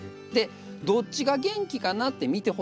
どっちが元気かなって見てほしいんです。